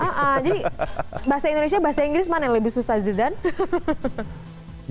jadi bahasa indonesia bahasa inggris mana yang lebih susah zidane